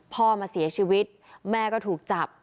พ่อมาเสียชีวิตแม่ก็ถูกจับ